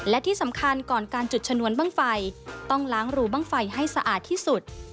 และที่สำคัญก่อนการจุดชนวนบ้างไฟต้องล้างรูบ้างไฟให้สะอาดที่สุด